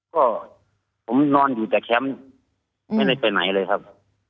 ก็ผมนอนอยู่แต่แคมป์ไม่ได้ไปไหนเลยครับ